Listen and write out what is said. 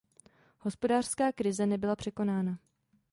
Hospodářská krize nebyla překonána.